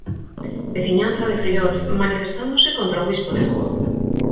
Veciñanza de Friol, manifestándose contra o Bispo de Lugo.